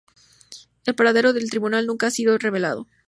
El paradero del tribunal nunca ha sido revelado.